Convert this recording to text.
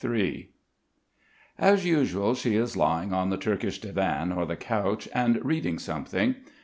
III As usual she is lying on the Turkish divan or the couch and reading something.